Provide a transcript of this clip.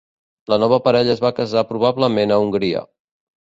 La nova parella es va casar probablement a Hongria.